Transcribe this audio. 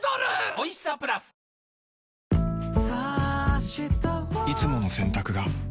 おいしさプラスいつもの洗濯が